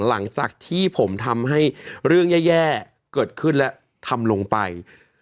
หลังจากที่ผมทำให้เรื่องแย่เกิดขึ้นและทำลงไป